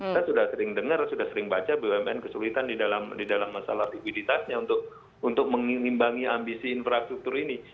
kita sudah sering dengar sudah sering baca bumn kesulitan di dalam masalah likuiditasnya untuk membuatnya lebih berkualitas